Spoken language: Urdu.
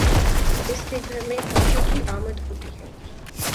اس کے گھر میں فاقے کی آمد ہوتی ہے